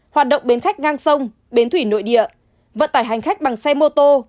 hoạt động bến khách ngang sông bến thủy nội địa vận tải hành khách bằng xe mô tô